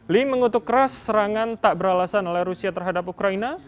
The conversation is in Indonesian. lee mengutuk keras serangan tak beralasan oleh rusia terhadap ukraina